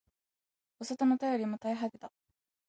お里の便りも絶え果てた